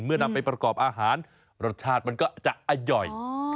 นำไปประกอบอาหารรสชาติมันก็จะอร่อย